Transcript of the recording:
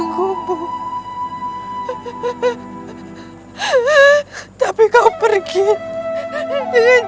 kamu tidak bisa menangkapku siliwangi